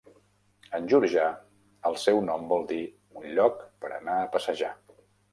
En georgià, el seu nom vol dir "un lloc per anar a passejar".